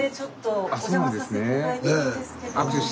あそうなんですね。